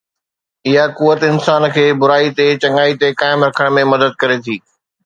اها قوت انسان کي برائي تي چڱائيءَ تي قائم رکڻ ۾ مدد ڪري ٿي